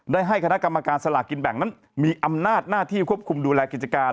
ได้ให้คณะกรรมการสลากกินแบ่งนั้นมีอำนาจหน้าที่ควบคุมดูแลกิจการ